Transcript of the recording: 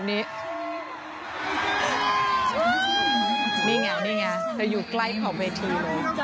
นี่ไงก็อยู่ใกล้ของเวที